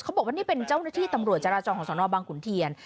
บอกว่านี่เป็นเจ้าหน้าที่ตำรวจจราจรของสนบังขุนเทียน